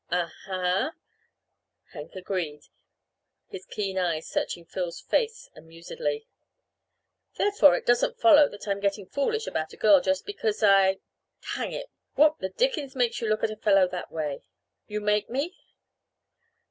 "Uh huh," Hank agreed, his keen eyes searching Phil's face amusedly. "Therefore, it doesn't follow that I'm getting foolish about a girl just because I hang it! what the Dickens makes you look at a fellow that way? You make me?"